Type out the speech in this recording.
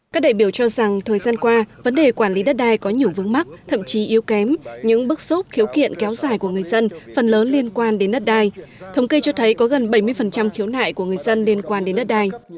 các đại biểu cho rằng thời gian qua vấn đề quản lý đất đai có nhiều vướng mắc thậm chí yếu kém những bức xúc khiếu kiện kéo dài của người dân phần lớn liên quan đến đất đai thống kê cho thấy có gần bảy mươi khiếu nại của người dân liên quan đến đất đai